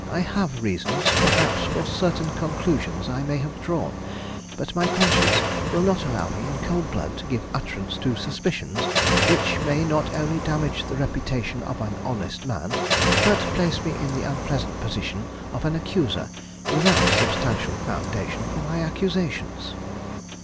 "I have reasons, perhaps, for certain conclusions I may have drawn; but my conscience will not allow me in cold blood to give utterance to suspicions which may not only damage the reputation of an honest man, but place me in the unpleasant position of an accuser without substantial foundation for my accusations."